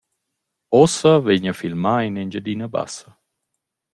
Uossa vegna filmà in Engiadina Bassa.